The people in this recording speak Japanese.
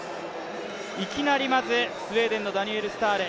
いきなりまず、スウェーデンのスタール。